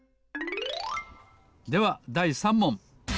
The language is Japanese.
ではだい３もん！